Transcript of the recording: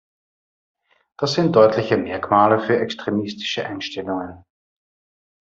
Das sind deutliche Merkmale für extremistische Einstellungen.